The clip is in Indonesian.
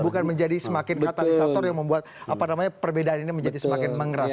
bukan menjadi semakin katalisator yang membuat perbedaan ini menjadi semakin mengeras